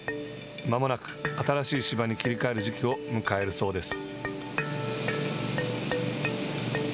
まもなく新しい芝に切り替える時期を迎えるそうです。